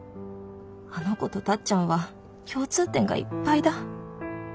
あの子とタッちゃんは共通点がいっぱいだ。